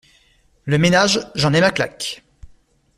Le ménage, j’en ai ma claque!